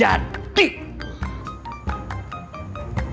caranya gimana pi